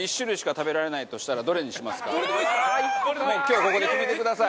バカリズム：今日ここで決めてください。